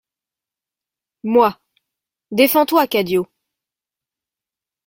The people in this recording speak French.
Moi., Défends-toi, Cadio.